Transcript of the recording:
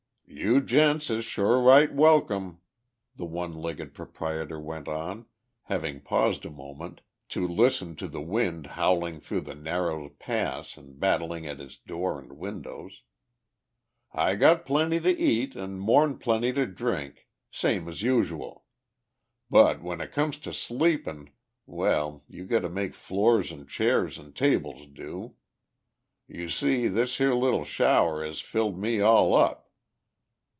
"You gents is sure right welcome," the one legged proprietor went on, having paused a moment to listen to the wind howling through the narrow pass and battling at his door and windows. "I got plenty to eat an' more'n plenty to drink, same as usual. But when it comes to sleepin', well, you got to make floors an' chairs an' tables do. You see this here little shower has filled me all up.